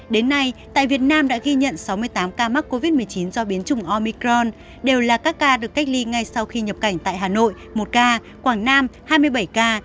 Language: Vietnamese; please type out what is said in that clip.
đến nay tại việt nam đã ghi nhận sáu mươi tám ca mắc covid một mươi chín do biến chủng omicron đều là các ca được cách ly ngay sau khi nhập cảnh tại hà nội một ca quảng nam hai mươi bảy ca